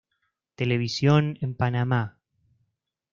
Televisión en Panamá